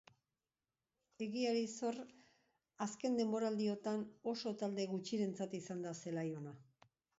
Egiari zor, azken denboraldiotan oso talde gutxirentzat izan da zelai ona.